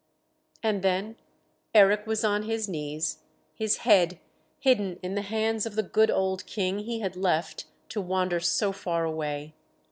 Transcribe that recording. And then Eric was on his knees, his head hidden in the hands of the good old King he had left to wander so far away.